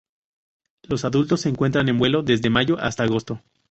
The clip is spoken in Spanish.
Los adultos se encuentran en vuelo desde Mayo hasta Agosto.